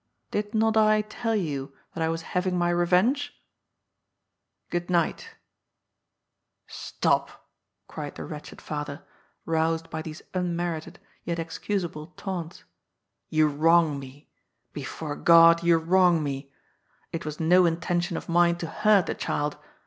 Did not I tell you that I was hay* ing my reyenge ? Good night Stop/* cried the wretched father, roused by these un merited, yet excusable, taunts. *' You wrong me. Before Ood, you wrong me. It was no intention of mine to hurt the child.